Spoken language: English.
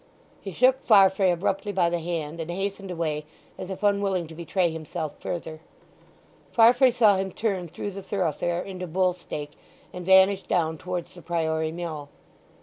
He shook Farfrae abruptly by the hand, and hastened away as if unwilling to betray himself further. Farfrae saw him turn through the thoroughfare into Bull Stake and vanish down towards the Priory Mill.